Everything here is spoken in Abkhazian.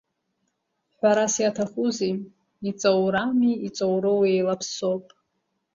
Ҳәарас иаҭахузеи, иҵоурами иҵоуроуи еилаԥсоуп.